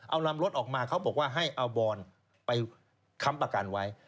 เอาลำรถออกมาเขาบอกว่าให้เอาบอนไปค้ำประกันไว้